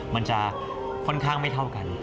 มันจะค่อนข้างไม่เท่ากัน